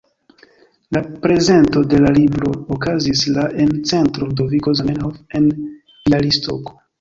La prezento de la libro okazis la en Centro Ludoviko Zamenhof en Bjalistoko.